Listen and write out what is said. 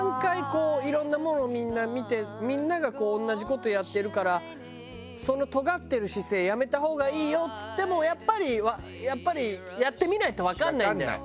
こういろんなものをみんな見てみんながこう同じ事やってるから「そのとがってる姿勢やめた方がいいよ」っつってもやっぱりやっぱりやってみないとわかんないんだよ。